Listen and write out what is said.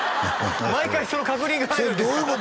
毎回その確認が入るんですか？